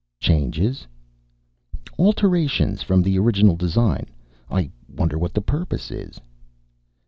"Changes?" "Alterations from the original design. I wonder what the purpose is."